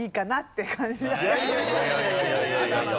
まだまだ。